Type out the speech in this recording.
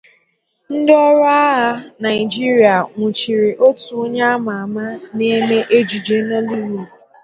ndị ọrụ agha Naịjirịa nwụ̀chiri otu onye a mà àmá na-eme ejije Nollywood